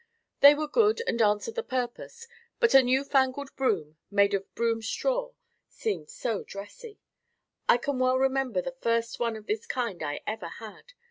They were good and answered the purpose but a new fangled broom made of broom straw seemed so dressy. I can well remember the first one of this kind I ever had.